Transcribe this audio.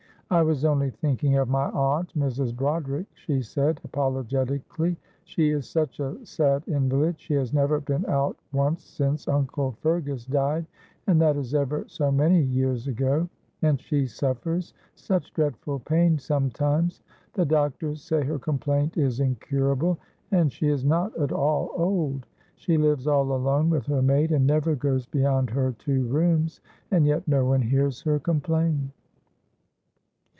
"I was only thinking of my aunt, Mrs. Broderick," she said, apologetically. "She is such a sad invalid; she has never been out once since Uncle Fergus died, and that is ever so many years ago, and she suffers such dreadful pain sometimes. The doctors say her complaint is incurable, and she is not at all old. She lives all alone with her maid, and never goes beyond her two rooms, and yet no one hears her complain."